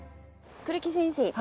栗木先生